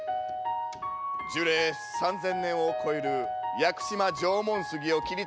樹齢３，０００年を超える屋久島縄文杉を切り倒そうとする男が。